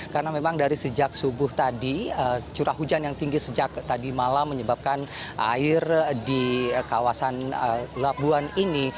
karena memang dari sejak subuh tadi curah hujan yang tinggi sejak tadi malam menyebabkan air di kawasan labuan ini